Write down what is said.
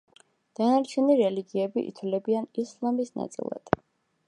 დანარჩენი რელიგიები ითვლებიან ისლამის ნაწილად.